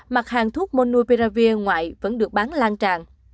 mặt hàng thuốc monopiravir ngoại vẫn được bán lan tràn